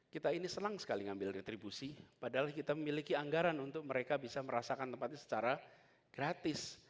kita ini senang sekali ngambil retribusi padahal kita memiliki anggaran untuk mereka bisa merasakan tempatnya secara gratis